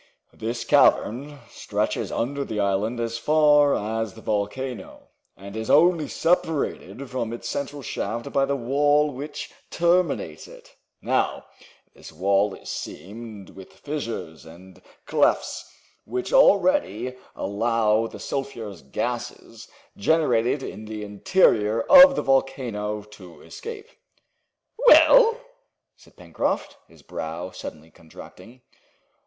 "This cavern stretches under the island as far as the volcano, and is only separated from its central shaft by the wall which terminates it. Now, this wall is seamed with fissures and clefts which already allow the sulphurous gases generated in the interior of the volcano to escape." "Well?" said Pencroft, his brow suddenly contracting.